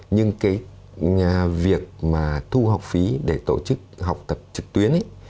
nhưng cái việc mà thu học phí để tổ chức học tập trực tuyến